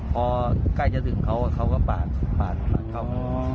พอใกล้จะถึงเขาก็ป่านเข้ามา